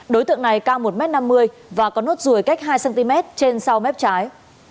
đối tượng này cao một m năm mươi và có nốt ruồi cách hai cm trên sau mép trái